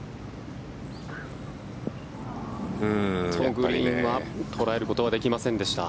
グリーンは捉えることはできませんでした。